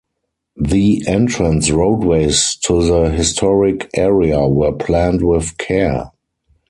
The entrance roadways to the Historic Area were planned with care.